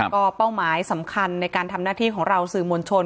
ก็เป้าหมายสำคัญในการทำหน้าที่ของเราสื่อมวลชน